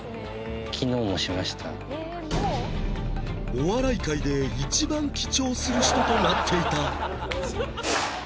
お笑い界で一番記帳する人となっていた